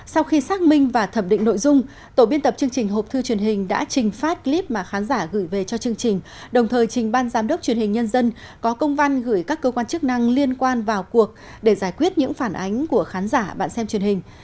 sau khi xác minh và thẩm định nội dung tổ biên tập chương trình hộp thư truyền hình đã trình phát clip mà khán giả gửi về cho chương trình đồng thời trình ban giám đốc truyền hình nhân dân có công văn gửi các cơ quan chức năng liên quan vào cuộc để giải quyết những phản ánh của khán giả bạn xem truyền hình